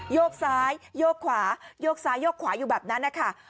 โยกซ้ายโยกขวาโยกซ้ายโยกขวาอยู่แบบนั้นนะคะ